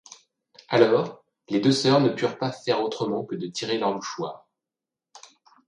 Alors, les deux soeurs ne purent pas faire autrement que de tirer leurs mouchoirs.